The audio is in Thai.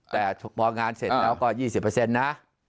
แต่พองานเสร็จแล้วก็๒๐นะ